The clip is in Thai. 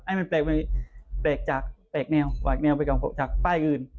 ให้มันแปลกแนวไปกับป้ายอื่น